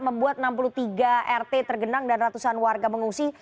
membuat enam puluh tiga rt tergenang dan ratusan warga mengungsi